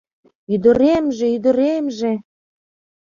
Ӱдыремже, ӱдыремже!